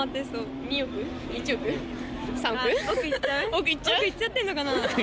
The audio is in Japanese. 億いっちゃってんのかな？